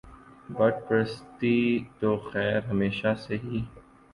بت پرستی تو خیر ہمیشہ سے ہی